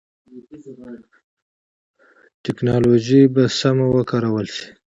ټکنالوژي به سمه وکارول شي.